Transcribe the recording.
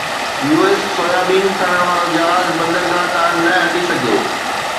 U S soybean کڻڻ وارو جهاز بندرگاهه تان نه هٽي سگهيو